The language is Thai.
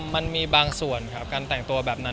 มันมีบางส่วนครับการแต่งตัวแบบนั้น